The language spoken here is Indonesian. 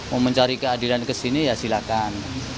mau mencari keadilan kesini ya silakan